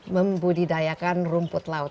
membudidayakan rumput laut